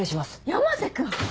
山瀬君。